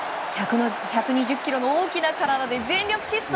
１２０ｋｇの大きな体で全力疾走。